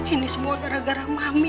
ini semua gara gara mami